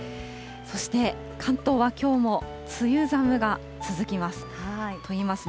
そして、関東はきょうも梅雨寒が続きます。